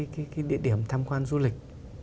cái địa điểm tham quan du lịch